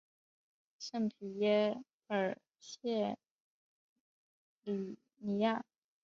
圣皮耶尔谢里尼亚。